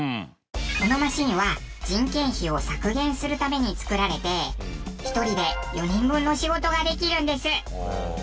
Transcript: このマシンは人件費を削減するために作られて１人で４人分の仕事ができるんです。